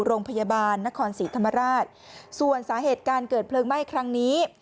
โรงพยาบาลนครศรีธรรมราชส่วนสาเหตุการเกิดเพลิงไหม้ครั้งนี้